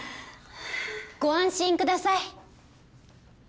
ご安心ください